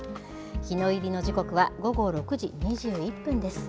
日の入りの時刻は午後６時２１分です。